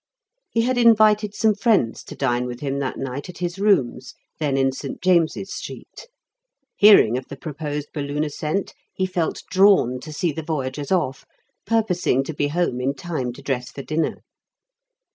He had invited some friends to dine with him that night at his rooms, then in St. James's Street. Hearing of the proposed balloon ascent, he felt drawn to see the voyagers off, purposing to be home in time to dress for dinner.